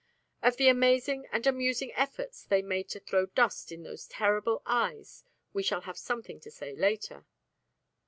Of the amazing and amusing efforts they made to throw dust in those terrible eyes we shall have something to say later.